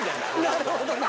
「なるほどな」